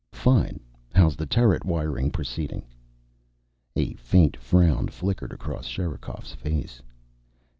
"Fine. How's the turret wiring proceeding?" A faint frown flickered across Sherikov's face.